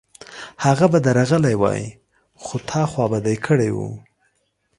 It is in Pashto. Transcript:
هغه به درغلی وای، خو تا خوابدی کړی و